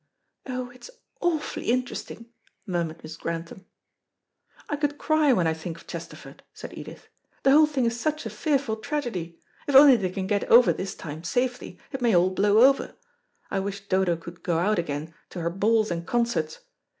"Oh, it's awfully interesting," murmured Miss Grantham. "I could cry when I think of Chesterford," said Edith. "The whole thing is such a fearful tragedy. If only they can get over this time safely, it may all blow over. I wish Dodo could go out again to her balls and concerts.